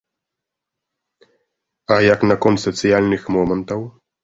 А як наконт сацыяльных момантаў?